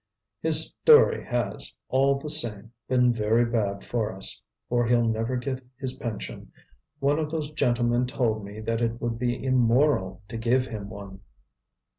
His story has, all the same, been very bad for us, for he'll never get his pension; one of those gentlemen told me that it would be immoral to give him one."